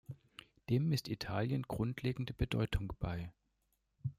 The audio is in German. Dem misst Italien grundlegende Bedeutung bei.